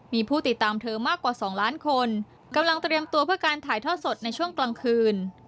มีผู้ติดตามเธอมากกว่า๒ล้านคนกำลังเตรียมตัวเพื่อการถ่ายทอดสดในช่วงกลางคืน